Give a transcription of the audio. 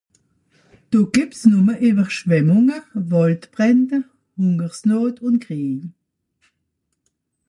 Do gebt's numme Ewerschwemmunge, Waldbrände, Hungersnot un Kriej